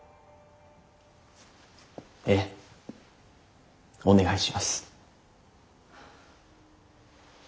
ええお願いします。